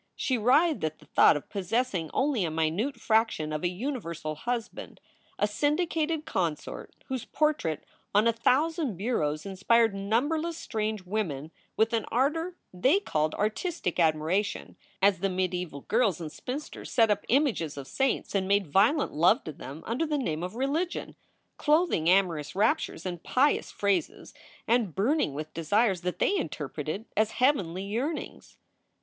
She writhed at the thought of possessing only a minute fraction of a universal husband, a syndicated consort whose portrait on a thousand bureaus inspired numberless strange women with an ardor they called artistic admiration, as the medi aeval girls and spinsters set up images of saints and made violent love to them under the name of religion, clothing amorous raptures in pious phrases, and burning with desires that they interpreted as heavenly yearnings.